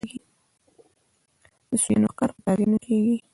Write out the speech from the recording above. د سویانو ښکار په تازیانو کېږي.